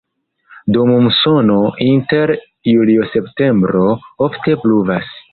Dum musono inter julio-septembro ofte pluvas.